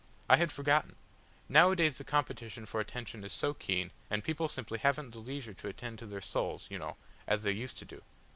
I had forgotten. Nowadays the competition for attention is so keen, and people simply haven't the leisure to attend to their souls, you know, as they used to do."